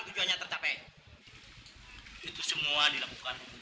kita banyak mendapatkan uang